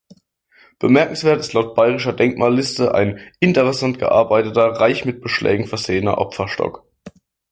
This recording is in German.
Bemerkenswert ist laut Bayerischer Denkmalliste ein „interessant gearbeiteter, reich mit Beschlägen versehener Opferstock“.